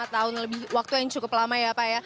dua puluh lima tahun lebih waktu yang cukup lama ya pak ya